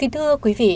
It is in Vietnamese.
thưa quý vị